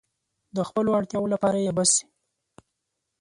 د خپلو اړتیاوو لپاره يې بس شي.